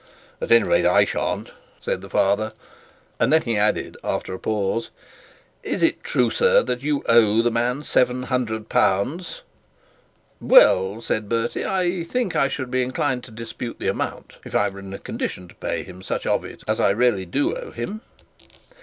'At any rate I shan't,' said the father, and then he added, after a pause, 'Is it true, sir, that you owe the man L 700?' 'Well,' said Bertie, 'I think I should be inclined to dispute the amount, if I were in a condition to pay him such of it as I really do owe him.'